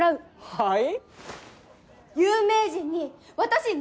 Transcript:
はい。